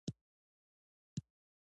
جوزجان د ګازو کانونه لري